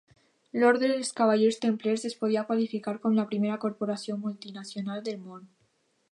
L'Ordre dels Cavallers Templers es podia qualificar com la primera corporació multinacional del món.